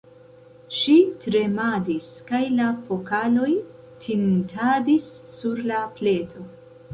Ŝi tremadis, kaj la pokaloj tintadis sur la pleto.